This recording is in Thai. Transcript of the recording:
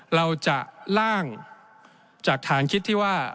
เราจะล่างจากฐานคิดที่ว่า